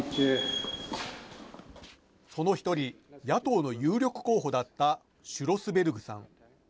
その一人、野党の有力候補だったシュロスベルクさん。